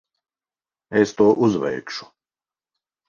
Es to uzveikšu.